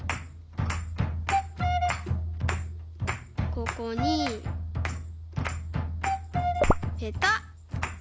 ここにペタッ！